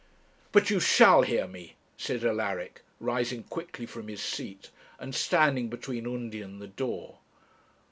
'But you shall hear me,' said Alaric, rising quickly from his seat, and standing between Undy and the door.